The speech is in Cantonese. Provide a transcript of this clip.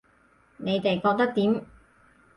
你哋覺得點